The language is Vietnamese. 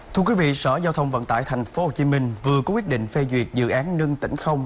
thưa quý vị sở giao thông vận tải tp hcm vừa có quyết định phê duyệt dự án nâng tỉnh không